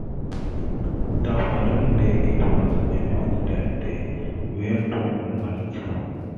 The following day it was announced that they were to merge.